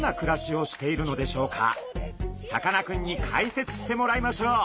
さかなクンに解説してもらいましょう。